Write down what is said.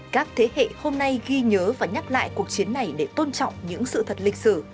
các thế hệ hôm nay ghi nhớ và nhắc lại cuộc chiến này để tôn trọng những sự thật lịch sử